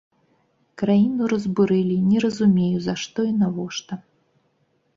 Краіну разбурылі, не разумею, за што і навошта.